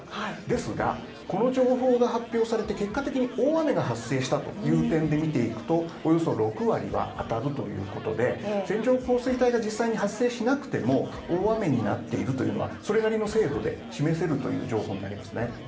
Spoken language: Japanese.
ですが、この情報が発表されて結果的に大雨が発生した可能性でいいますとおよそ６割は当たるということで線状降水帯が実際に発生しなくても大雨になっているというのは、それなりの精度で示せるという情報になります。